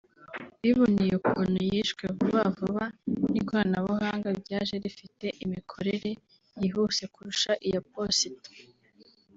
biboneye ukuntu yishwe vuba vuba n’ikoranabuhanga ryaje rifite imikorere yihuse kurusha iya posita